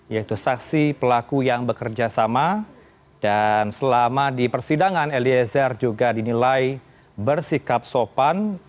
yaitu saksi pelaku yang bekerja sama dan selama di persidangan eliezer juga dinilai bersikap sopan